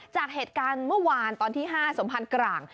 จากเหตุการณ์เมื่อวานตอนที่๕สมพันธ์กลาง